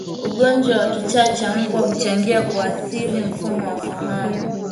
Ugonjwa wa kichaa cha mbwa huchangia kuathiri mfumo wa fahamu